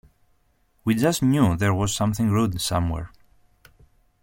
We just knew there was something rude somewhere.